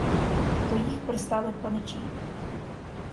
До їх пристали паничі.